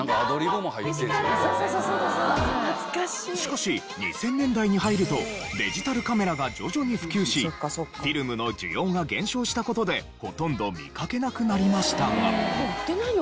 しかし２０００年代に入るとデジタルカメラが徐々に普及しフィルムの需要が減少した事でほとんど見かけなくなりましたが。